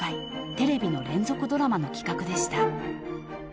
［テレビの連続ドラマの企画でした］